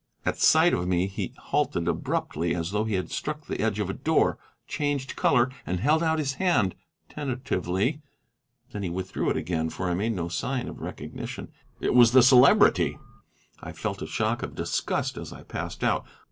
At sight of me he halted abruptly, as though he had struck the edge of a door, changed color, and held out his hand, tentatively. Then he withdrew it again, for I made no sign of recognition. It was the Celebrity! I felt a shock of disgust as I passed out.